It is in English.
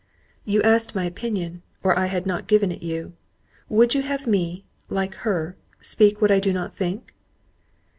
"You asked my opinion, or I had not given it you—would you have me, like her, speak what I do not think?"